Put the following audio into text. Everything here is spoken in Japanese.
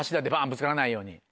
ぶつからないように？